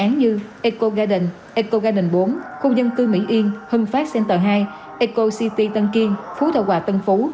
nền bốn khu dân cư mỹ yên hưng phát center hai eco city tân kiên phú thợ hòa tân phú